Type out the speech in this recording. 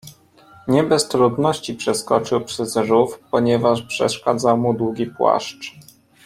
Nie bez trudności przeskoczył przez rów, ponieważ przeszkadzał mu długi płaszcz.